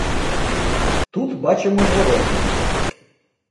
Тут бачимо зворотне